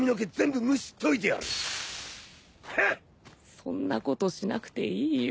そんなことしなくていいよ。